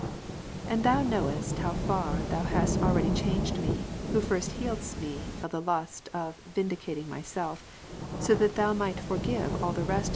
And Thou knowest how far Thou hast al ready changed me, who first healedst me of the lust of vin dicating myself, that soThou mightest/or^wec/Ztherest of Ps.